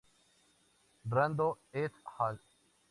Rando, et al.